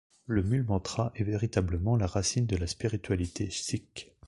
Le Mul Mantra est véritablement la racine de la spiritualité sikhe.